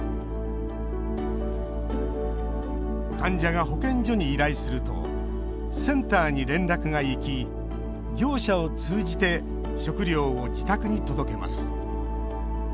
患者が保健所に依頼するとセンターに連絡がいき業者を通じて食料を自宅に届けます。